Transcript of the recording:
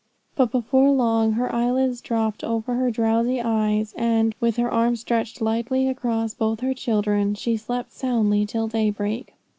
But before long her eyelids drooped over her drowsy eyes, and, with her arm stretched lightly across both her children, she slept soundly till daybreak.